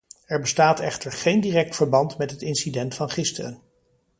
Er bestaat echter geen direct verband met het incident van gisteren.